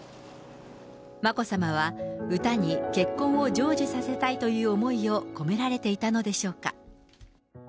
眞子さまは歌に結婚を成就させたいという思いを込められていたのでしょうか。